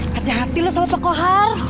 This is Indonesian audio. hati hati loh sama pak kohar